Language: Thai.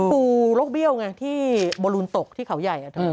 ปูโรคเบี้ยวไงที่โบรูนตกที่เขาใหญ่